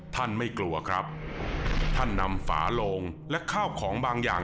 ไม่กลัวครับท่านนำฝาโลงและข้าวของบางอย่าง